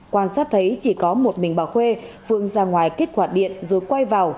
quan sát thấy chỉ có một mình bà khuê phương ra ngoài kết quả điện rồi quay vào